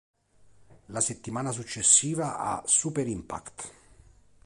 La settimana successiva, a "Super Impact!